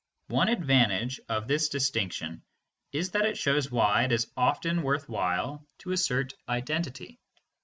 9 One advantage of this distinction is that it shows why it is often worth while to assert identity.